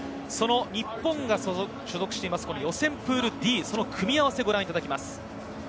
日本が所属する予選プールＤ、組み合わせをご覧いただきます。